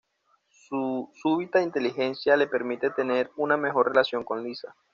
Su súbita inteligencia le permite tener una mejor relación con Lisa.